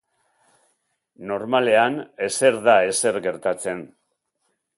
Normalean ezer da ezer gertatzen!